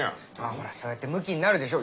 ほらそうやってムキになるでしょ